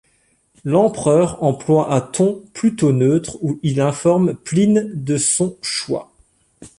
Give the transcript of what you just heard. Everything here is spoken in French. L'empereur emploie un ton plutôt neutre où il informe Pline de son choix.